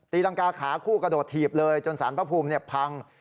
รังกาขาคู่กระโดดถีบเลยจนสารพระภูมิพัง